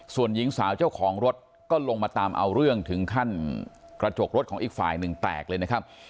ส่วนหญิงสาวเจ้าของรถก็ลงมาตามเอาเรื่องถึงขั้นกระจกรถของอีกฝ่ายหนึ่งแตกเลยนะครับ